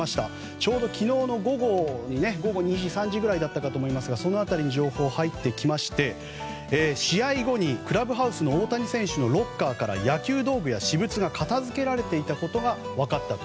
ちょうど昨日の午後２時３時ぐらいだったかと思いますがその辺りに情報が入ってきまして試合後にクラブハウスの大谷選手のロッカーから野球道具や私物が片付けられていたことが分かったと。